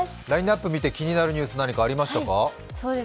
ラインナップ見て気になるニュース何かありましたか？